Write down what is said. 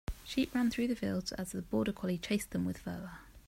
Sheep ran through the fields as the border collie chased them with fervor.